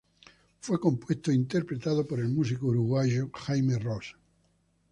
Fue compuesto e interpretado por el músico uruguayo Jaime Roos.